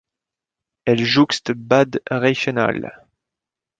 Elle jouxte Bad Reichenhall.